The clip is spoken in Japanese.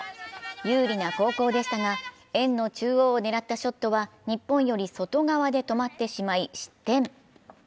有利な後攻でしたが円の中央を狙ったショットは日本より外側で止まってしまい失点。